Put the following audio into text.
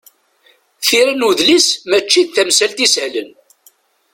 Tira n udlis mačči d tamsalt isehlen.